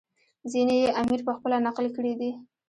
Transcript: ځینې یې امیر پخپله نقل کړي دي.